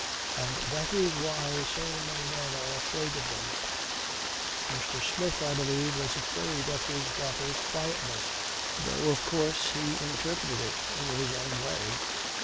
And that is why so many men are afraid of them. Mr. Smith I believe was afraid of his daughter's quietness though of course he interpreted it in his own way.